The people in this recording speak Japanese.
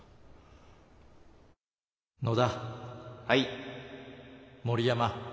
はい。